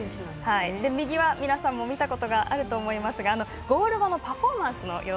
右は皆さんも見たことがあると思いますがゴールパフォーマンス。